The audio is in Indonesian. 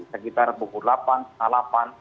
sekitar pukul delapan